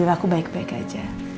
aku baik baik aja